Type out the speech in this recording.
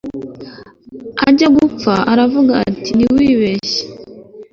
ajya gupfa aravuga ati ntiwibeshye